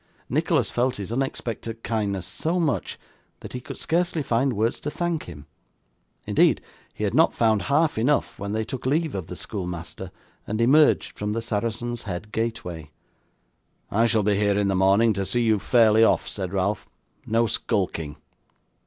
Nicholas felt his unexpected kindness so much, that he could scarcely find words to thank him; indeed, he had not found half enough, when they took leave of the schoolmaster, and emerged from the Saracen's Head gateway. 'I shall be here in the morning to see you fairly off,' said Ralph. 'No skulking!